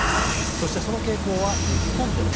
そして、その傾向は日本でも。